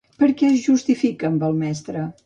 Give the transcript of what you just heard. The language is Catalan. Per què es justifica amb el mestre?